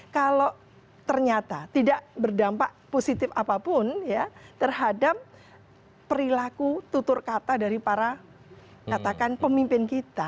kalau ternyata tidak berdampak positif apapun ya terhadap perilaku tutur kata dari para katakan pemimpin kita